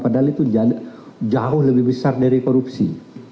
padahal itu jauh lebih besar dari korupsi